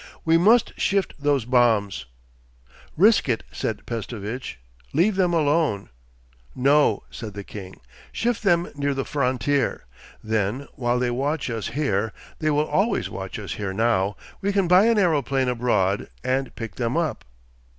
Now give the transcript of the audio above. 'We must shift those bombs.' 'Risk it,' said Pestovitch. 'Leave them alone.' 'No,' said the king. 'Shift them near the frontier. Then while they watch us here—they will always watch us here now—we can buy an aeroplane abroad, and pick them up....